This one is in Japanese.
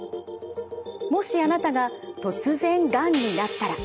もしあなたが突然がんになったら。